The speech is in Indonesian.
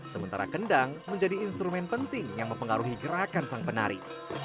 sementara kendang menjadi instrumen penting yang mempengaruhi gerakan sang penari